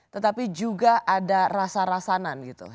tetapi juga ada rasa rasanan gitu